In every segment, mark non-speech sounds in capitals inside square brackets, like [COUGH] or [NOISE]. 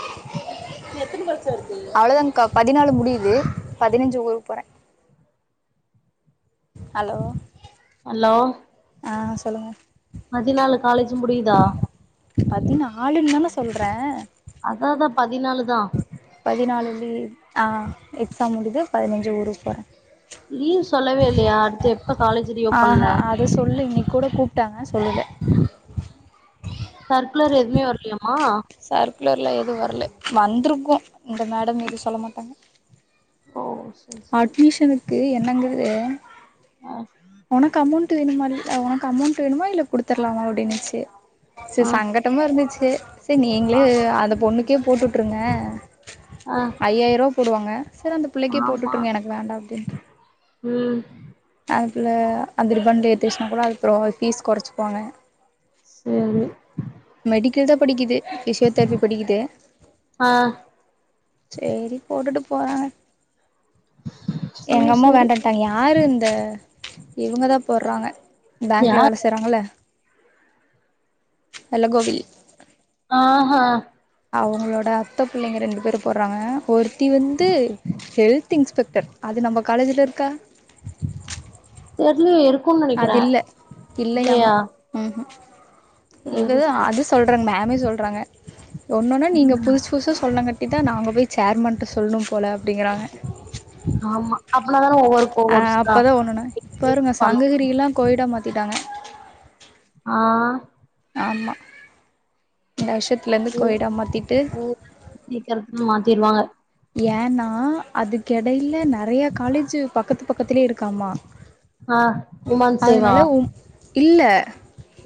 [INAUDIBLE] எத்தன பரிச்ச இருக்கு அவ்ளோதான்கா பதினாலு முடியுது பதினஞ்சி ஊருக்கு போறேன் ஹலோ அலோ ஆ சொல்லுங்கள் பதினாலு காலேஜி முடியுதா பதினாலுன் தான சொல்றே அதா அதா பதினாலு தா பதினாலுலே ஆ எக்ஸாம் முடியுது பதினஞ்சி ஊருக்கு போறே லீவ் சொல்லவே இல்லையா அடுத்து எப்ப காலேஜ் ஆ ரீஓப்பன்ல ஹ அது சொல்ல இன்னைக்கு கூட கூப்ட்டாங்க சொல்லல சர்க்குலர் எதுமே வரலயாமா சர்க்குலர்ல எதும் வரல வந்துருக்கும் இந்த மேடம் எது சொல்ல மாட்டாங்க ஓ சரி சரி அட்மிஷனுக்கு என்னங்கிறது ஒனக்கு அமௌண்ட் டு வேணுமாரி ஒனக்கு அமௌண்ட்டு வேணுமா இல்ல குடுத்தரலாமா அப்டினுச்சி செரி ஆ சங்க ட்டம்மா இருந்துச்சி செரி ஆ நீங்களே ஆ அந்த பொண்ணுக்கே போட்டு உட்டுருங்க ஆ ஐயாயிரரூவா போடுவாங்க சேரி அந்த பிள்ளைக்கே ஆமா போட்டுட்டுருங்க எனக்கு வேண்டா அப்டின்டு ம் அந்த புள்ள அந்த ரிபண்ட ஏத்துச்சினா கூட அதுக்கப்புறம் பீஸ் கொறச்சிப்பாங்க சேரி மெடிக்கல் தா படிக்கிது பிசியோதெரபி படிக்கிது ஆ சேரி போட்டுட்டு போறாங்க சரி எங்கம்மா சரி வேண்டா தாங்க யாரு இந்த இவங்க தா போறாங்க பேங்க்ல யார் வேல செய்றாங்க இல்ல வெள்ள கோபி ஆ ஹ அவுங்களோட அத்த பிள்ளைங்க ரெண்டு பேரு போடறாங்க ஒருத்தி வந்து ஹெல்த் இன்ஸ்பெக்டர் அது நம்ப காலேஜ்ல இருக்கா தெர்லேயே இருக்கும்னு அது நெனைக்கிறே இல்ல இல்லையாமா இல்லையா ம் சரி இவதா சரி அது சொல்றாங்க மேமே சொல்றாங்க ஒன்னொன்னா நீங்க ம் புதுசு புதுசா சொன்னங்கட்டி தா நா அங்க போய் சேர்மன்ட்ட சொல்லுணு போல அப்டிங்கிறாங்க ஆமா அப்பனா தான ஒவ்வொரு ஆ கோர்ஸா அப்பதா ஒண்ணுனா பாருங்க பண்ணு. சங்க கீரியில்லா கோய்டா மாத்திட்டாங்க ஆ ஆமா இந்த வருஷத்துல இருந்து கோஎடா மாத்திட்டு சீக்கரத்தின்னு மாத்திருவாங்க ஏன்னா அதுக்கெடையில ந நறையா காலேஜி பக்கத்து பக்கத்திலே இருக்காம ஆ உமன் சேவா அதனால ஓ இல்ல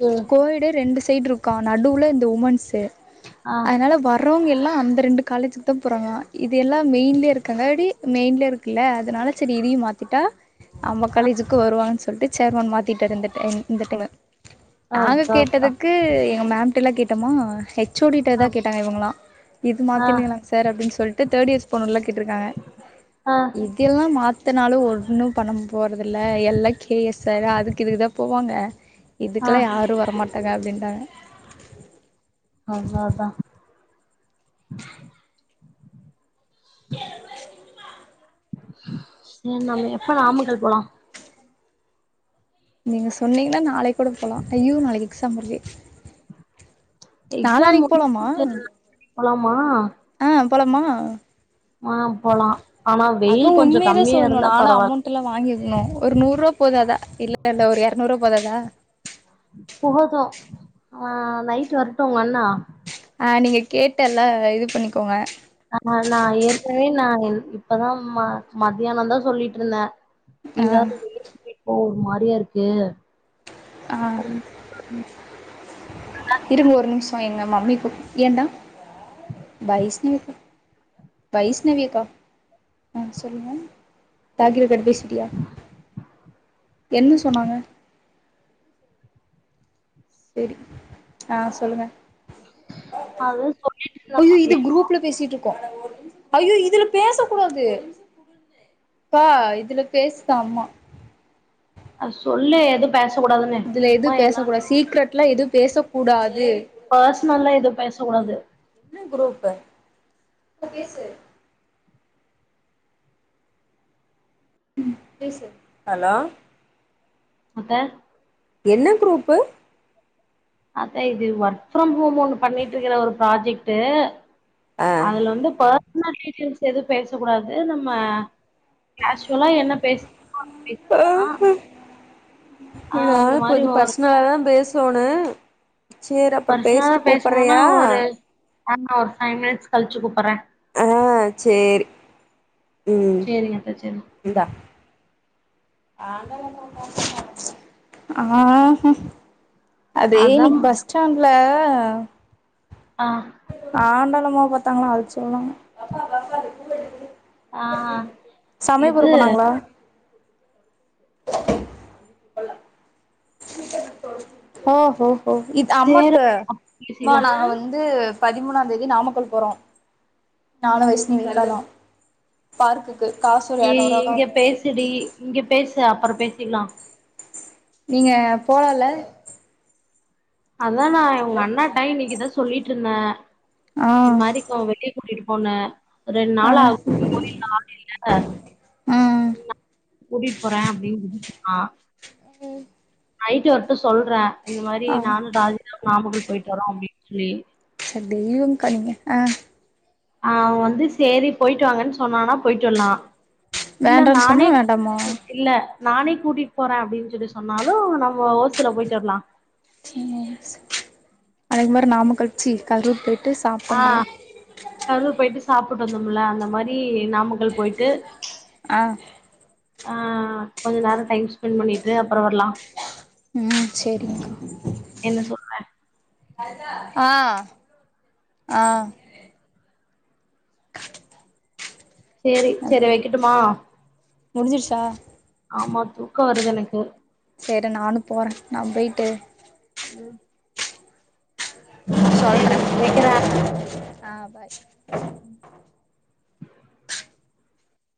ம் கோஎடே ரெண்டு சைடு இருக்கா நடுவுல இந்த உமன்ஸு ஆ அதனால ஒ றவங்க எல்லா அந்த ரெண்டு காலேஜிக்கு தா போறாங்கலா இது எல்லா மெயின்லே இருக்காங்காட்டி மெயின்லே இருக்குல்ல அதனால செரி இதையு மாத்திட்டா நம்ப காலேஜிக்கு வருவாங்கன்னு சொல்ட்டு சேர்மேன் மாத்திட்டாரு இந்த டைம் இந்த டைமு நாங்க அதா கேட்டதுக்கு எங்க மேம் இதுல கேட்டோமா ஹெச்சோடிட்ட அதா ஆ தா கேட்டாங்க இவுங்களா இது ஆ மாத்தினிங்லா சார் அப்புடினு சொல்ட் தேடியர்ஸ் போனுல்ல கேட்ருக்காங்க ஆ இதெல்லா மாத்தனாலே ஒன்னு பண்ண போறதில்ல எல்லைப் கேஎஸ்ஆர் அதுக்கு இதுக்கு தா போவாங்க ஆ இதுக்கெல்லா யாரு வரமாட் ங்க அப்டின்டாங்க அவ்ளோதா சரி நம்ம எப்ப நாமக்கல் போலா நீங்க சொன்னீங்னா நாளைக்கு கூட போலா ஐயோ நாளைக்கு எக்ஸாம் வருதே எக்ஸாம் நாளானைக் போலாமா முடிஞ்சுட்டு போலாமா ஆ போலாமா ஆ போலா ஆனா வெயில் கொஞ்ச கம்மியா இருந்தா பரவால் இல்ல வாங்கிக்கணு ஒரு நூறு ரூவா போதாதா இல்ல இல்ல ஒரு எரநூறா போதாதா போது ஆ நைட்டு வரட்டு உங்க அண்ணா ஆ நீங்க கேட்டல்ல இது பண்ணிக்கோங்க ஆ நா ஏற்கெனவே நா இப்பதா ம மத்தியான தா சொல்லிட்டு இருந்த ஆ எங்காவது வெளிய போய் ஒரு மாரியா இருக்கு ஆ இருங்க ஒரு நிமிஷ எங்க மம்மி கூப் ஏண்டா வைஷ்ணவி கூப் வைஷ்ணவி அக்கா ஆ சொல்லுங்க தாக்கிரக்கிட் பேசிட்டியா என்ன சொன்னாங்க செரி ஆ சொல்லுங்க அதுதா சொல்லிட்ருந்தே ஐயோ இது மதியானோ குரூப்ல பேசிட்டு இருக் ஐயோ இதுல பேச கூடாது அப்பா இதுல பேசுதா அம்மா அ சொல்லு எடுப் பேச கூடாதுனு இதுல எது பேச கூடாது சீக்ரெட்லா எது பேச கூடாது பஷ்னல்லா எது பேச கூடாது என்ன குரூப்பு இப்ப பேசு ம் பேசு ஹலோ அத்த என்ன குரூப்பு அத்த இது ஒர்க் ஃப்ரம் ஹோம் ஒன்னு பண்ணிட்டு இருக்கிற ஒரு ப்ராஜெக்ட்டு ஆ அதுல வந்து ஃபஸ்னல் டீட்டெயில்ஸ் எது பேச கூடாது நம்ம அக்ஷுவலா என்ன பேசுனுமோ அத ஆ அப்டினா ஆ அந்த மாரி ஒரு நல்லா தா பேசோணு சேர் அப்பற பேசிட்டு கூப்பறியா ஆமா ஒரு ஃபைவ் மினிட்ஸ் கழிச்சி கூப்புற ஆ சேரி ம் சேரிங்க அத்த சேரி இந்தா ஆஹ அது அதான் இன்னைக்கு பஸ் ஸ்டாண்ட்ல அ ஆண்டாளம்மா பாத்தாங்களா அது சொன்னாங் ஆ சமயபுரோ இது போனாங்களா ஓஹோஹோ இது சேரி அம்மட்டு பேசிக்கலாம் வந்து பதிமூனாம் தேதி நாமக்கல் போறோ நானு வைஷ்னி விளாடனு பார்க்குக்கு காசு ஒரு ஏய் எரநூறுவா இங்க பேசுடி இங்க பேசு அப்ரோ பேசிக்கிலா நீங்க போலால்ல அதா நா உங்க அண்ணாட்டா இன்னைக்குதா சொல்லிட்டு இருந்த இந் ஆ மாறி வெளியே கூட்டிட்டு போனு ரெண்டு ஆ நாள் ஆகு கோயில்ல ஆளு இல்ல ம் உன்ன கூட்டிட்டு போற அப்டின்னா நைட்டு வரட்டு சொல்ற இந்த மாறி ஆ நானு ராஜனு நாமக்கல் போயிட்டு வரோ அப்டின்னு சொல்லி டெய்லியு கஞ்யா நீங்க அ அவ வந்து சேரி போயிட்டு வாங்கன்னு சொன்னான்னா போயிட்டு வரலா இல்ல வேண்டான்னு சொன்னா நானே வேண்டாமா இல்ல நானே கூட்டிட்டு போற அப்டின்னு சொல்லி சொன்னாலு நம்ம ஒசில போயிட்டு வரலா சேரி சே அது மாறி நாமக்கல் ச்சி கல்ரூர் போய்ட் ஆ கரூர் போயிட்டு சாப்புட்டு வந்தோம்ல அந்த மாறி நாமக்கல் போயிட்டு ஆ ஆ கொஞ்ச நேரோ டைம் ஸ்பென்ட் பண்ணிட்டு அப்ரோ வரலா ம் சேரிக்கா என்ன சொல்ற? ஆ ஆ சேரி ஹலோ சேரி வைக்கட்டுமா முடிஞ்சிருச்சா ஆமா தூக்கோ வருது எனக்கு சேரி நானு போற நா போயிட்டு ம் சொல்ற சரி வைக்கிறேன். ஆ பாய் ம்